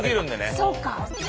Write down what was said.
そうか！